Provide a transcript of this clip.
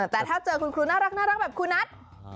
แต่ถ้าเจอคุณครูน่ารักแบบครูนัท